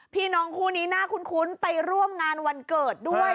พี่น้องคู่นี้น่าคุ้นไปร่วมงานวันเกิดด้วย